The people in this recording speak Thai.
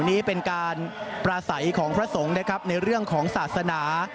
นี้เป็นการปราศัยของพระสงฆ์นะครับในเรื่องของศาสนา